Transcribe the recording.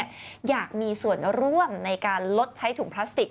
อยากมีส่วนร่วมในการลดใช้ถุงพลาสติก